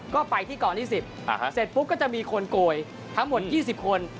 ก็ไปที่กองที่๑๐เสร็จปุ๊บก็จะมีคนโกยทั้งหมด๒๐คน